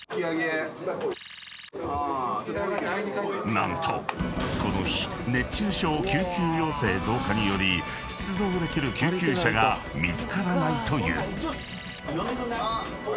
［何とこの日熱中症救急要請増加により出動できる救急車が見つからないという］